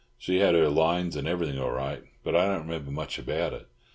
She had her lines and everything all right, but I don't remember much about it.